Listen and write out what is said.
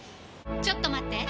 ちょっと待って！